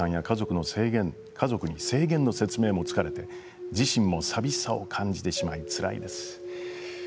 患者さんや家族へ制限の説明も疲れて自身も寂しさを感じてしまいつらいです。